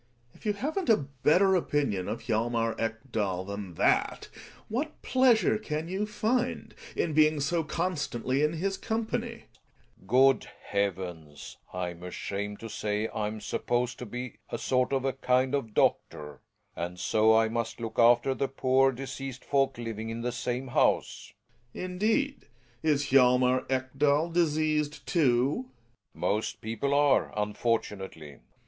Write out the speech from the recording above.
Gregers. If you haven't a better opinion of Hjalmar Ekdal than that, what pleasure can you find in being so constantly in his company ? Relling. Good heavens, I'm ashamed to say I'm sup ^..^ posed to be a sort of a kind of doctor, and so I must look ^^^ after the poor diseased folk livin g in the samfl jumse., 7^ . Gregers. Indeed ! Is Hjalmar Ekdal diseased, too? Relling. Most people are, unfortunately.